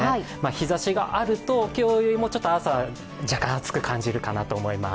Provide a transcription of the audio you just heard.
日ざしがあると、今日よりも朝、若干暑く感じるかなと思います